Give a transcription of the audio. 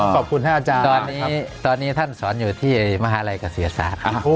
อ๋อขอบคุณท่านอาจารย์ตอนนี้ตอนนี้ท่านสอนอยู่ที่มหาลัยกระศรียศาสตร์